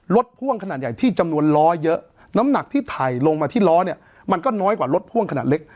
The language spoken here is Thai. พ่วงขนาดใหญ่ที่จำนวนล้อเยอะน้ำหนักที่ไถ่ลงมาที่ล้อเนี่ยมันก็น้อยกว่ารถพ่วงขนาดเล็ก